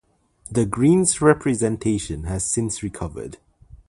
The Greens' representation has since recovered.